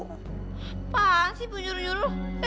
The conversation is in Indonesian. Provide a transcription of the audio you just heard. apaan sih bunjur njur lu